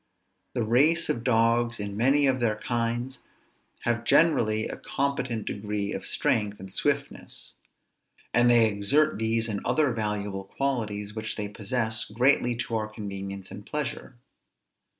The race of dogs, in many of their kinds, have generally a competent degree of strength and swiftness; and they exert these and other valuable qualities which they possess, greatly to our convenience and pleasure.